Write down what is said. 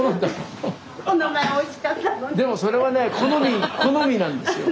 でもそれはね好みなんですよ。